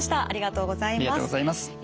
ありがとうございます。